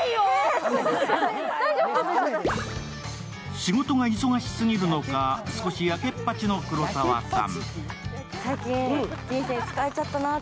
仕事が忙しすぎるのか、すこしやけっぱちの黒沢さん。